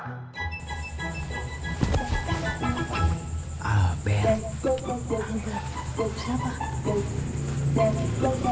saya albert pak